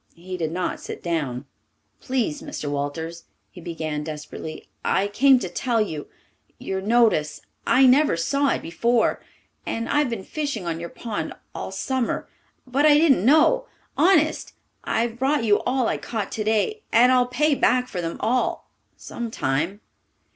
He did not sit down. "Please, Mr. Walters," he began desperately, "I came to tell you your notice I never saw it before and I've been fishing on your pond all summer but I didn't know honest I've brought you all I caught today and I'll pay back for them all some time."